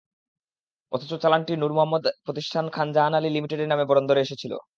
অথচ চালানটি নুর মোহাম্মদের প্রতিষ্ঠান খান জাহান আলী লিমিটেডের নামে বন্দরে এসেছিল।